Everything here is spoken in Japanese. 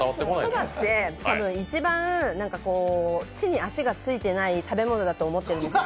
蕎麦って一番地に足が着いてない食べ物だと思うんですね。